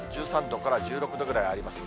１３度から１６度ぐらいあります。